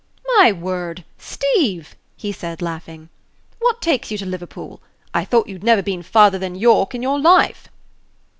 "My word! Steeve," he said, laughing, "what takes you to Liverpool? I thought you'd never been farther than York in your life."